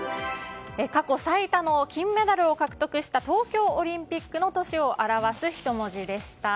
過去最多の金メダルを獲得した東京オリンピックの都市を表す一文字でした。